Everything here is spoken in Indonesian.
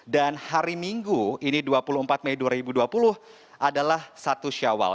dan hari minggu ini dua puluh empat mei dua ribu dua puluh adalah satu syawal